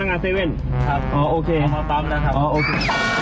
นี่เป็นอย่างไร